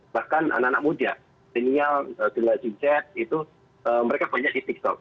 bahkan anak anak muda senial jelajah itu mereka banyak di tiktok